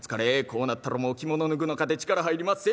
こうなったらもう着物脱ぐのかて力入りまっせ。